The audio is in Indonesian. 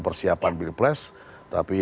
persiapan pilpres tapi